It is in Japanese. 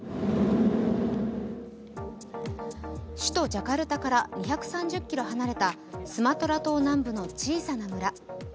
首都ジャカルタから２３０ｋｍ離れたスマトラ島南部の小さな村。